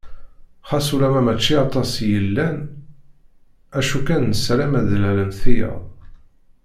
Xas ulamma mačči aṭas i yellan, acu kan nessaram ad d-lalent tiyaḍ.